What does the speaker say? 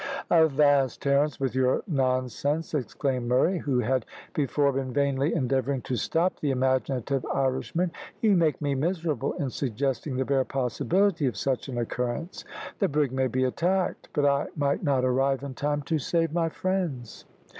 "Avast, Terence, with your nonsense!" exclaimed Murray, who had before been vainly endeavouring to stop the imaginative Irishman. "You make me miserable in suggesting the bare possibility of such an occurrence. The brig may be attacked, but I might not arrive in time to save my friends."